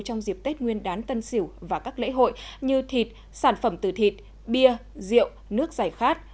trong dịp tết nguyên đán tân sỉu và các lễ hội như thịt sản phẩm từ thịt bia rượu nước giải khát